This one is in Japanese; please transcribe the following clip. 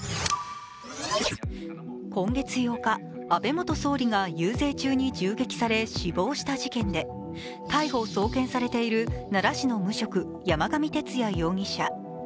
今月８日、安倍元総理が遊説中に銃撃され死亡した事件で逮捕・送検されている奈良市の無職山上徹也容疑者。